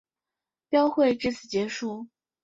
标会至此结束。